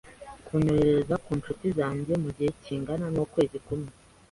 kunyohereza ku nshuti zanjye mu gihe kingana n’ukwezi kumwe.